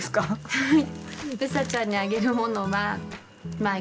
はい。